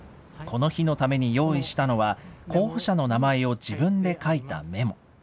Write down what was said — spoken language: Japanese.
この日のために用意したのは、候補者の名前を自分で書いたメモ。